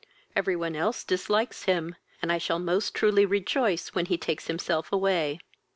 Every one else dislikes him, and I shall most truly rejoice when he takes himself away."